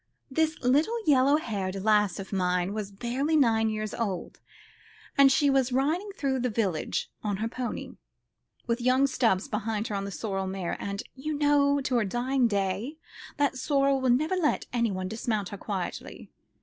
This little yellow haired lass of mine was barely nine years old, and she was riding through the village on her pony, with young Stubbs behind her on the sorrel mare and, you know, to her dying day, that sorrel would never let anyone dismount her quietly.